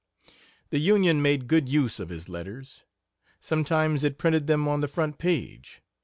The Union made good use of his letters. Sometimes it printed them on the front page.